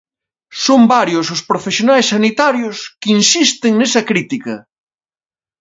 Son varios os profesionais sanitarios que insisten nesa crítica.